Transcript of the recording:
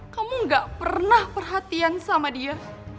kamu gak pernah perhatian sama dia